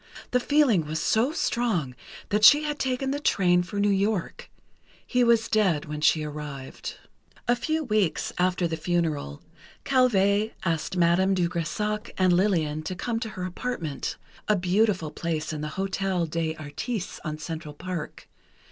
The feeling was so strong that she had taken the train for New York. He was dead when she arrived. A few weeks after the funeral, Calvé asked Madame de Grésac and Lillian to come to her apartment, a beautiful place in the Hôtel des Artistes, on Central Park.